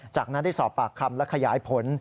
จากนั้นได้สอบปากคำและขยายผล